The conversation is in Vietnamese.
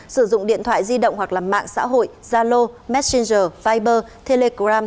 sử dụng điện thoại di động hoặc mạng xã hội zalo messenger viber telegram